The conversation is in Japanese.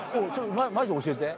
マジ教えて。